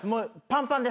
パンパン？